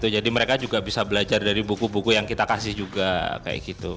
jadi mereka juga bisa belajar dari buku buku yang kita kasih juga